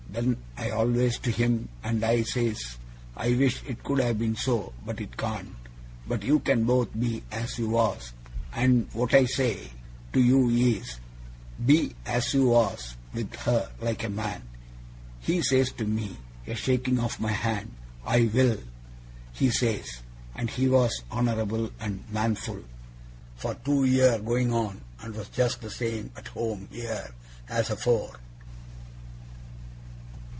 Then I aways to him, and I says, "I wish it could have been so, but it can't. But you can both be as you was, and wot I say to you is, Be as you was with her, like a man." He says to me, a shaking of my hand, "I will!" he says. And he was honourable and manful for two year going on, and we was just the same at home here as afore.